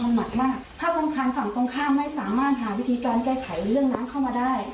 หมัดมากถ้าอังคารฝั่งตรงข้ามไม่สามารถหาวิธีการแก้ไขเรื่องน้ำเข้ามาได้